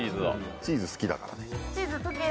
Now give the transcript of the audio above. チーズ好きだからね。